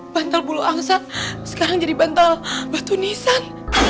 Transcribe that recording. bantal bulu angsa sekarang jadi bantal batu nisan